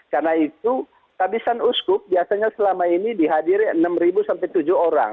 karena itu tabisan uskup biasanya selama ini dihadiri enam sampai tujuh orang